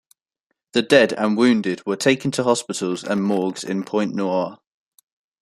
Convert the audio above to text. The dead and wounded were taken to hospitals and morgues in Pointe-Noire.